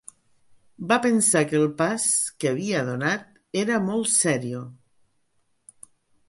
Va pensar que el pas que havia donat era molt serio